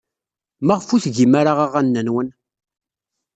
Maɣef ur tgim ara aɣanen-nwen?